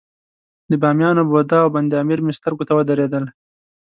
د بامیانو بودا او بند امیر مې سترګو ته ودرېدل.